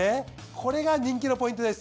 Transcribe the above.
これが人気のポイントです。